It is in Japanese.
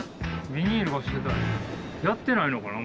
ビニールがしてたりやってないのかな？